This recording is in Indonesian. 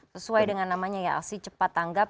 sesuai dengan namanya ya aksi cepat tanggap